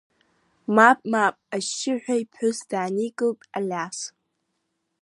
Мап, мап, ашьшьыҳәа иԥҳәыс дааникылт Алиас.